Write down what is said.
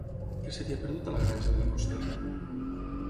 Què se t'hi ha perdut, a la Granja de la Costera?